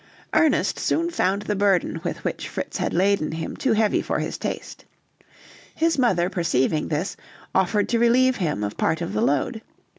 Ernest soon found the burden with which Fritz had laden him too heavy for his taste. His mother perceiving this, offered to relieve him of part of the load.